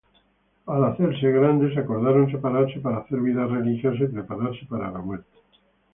Al hacerse grandes, acordaron separarse para hacer vida religiosa y prepararse para la muerte.